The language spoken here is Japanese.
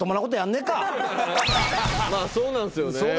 まあそうなんすよね。